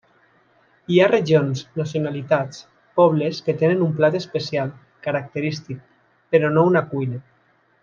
Hi ha regions, nacionalitats, pobles que tenen un plat especial, característic, però no una cuina.